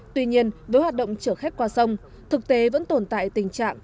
tuy nhiên với hoạt động chở khách qua sông thực tế vẫn tồn tại tình trạng